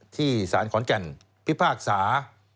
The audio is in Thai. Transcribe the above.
ที่สารขอนแก่นพิพากษา